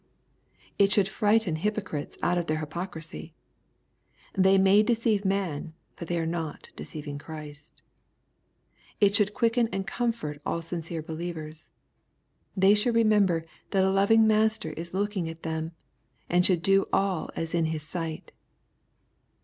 It should frighten hypo crites out of their hypocrisy. They may deceive man, but they are not deceiving Christ. It should quicken and comfort all sincere believers. They should remember that a loving Master is looking at them, and should do all as in His sight.